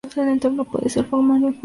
El entorno puede ser formal o informal.